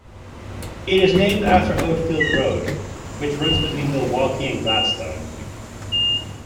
It is named after Oatfield Road, which runs between Milwaukie and Gladstone.